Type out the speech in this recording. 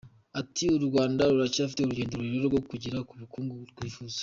Ati “U Rwanda ruracyafite urugendo rurerure rwo kugera ku bukungu twifuza.